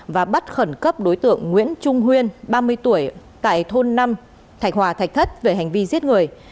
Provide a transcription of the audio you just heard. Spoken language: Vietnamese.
và bắt khẩn cấp đối tượng nguyễn trung huyên ba mươi tuổi tại thôn năm thạch hòa thạch thất về hành vi giết người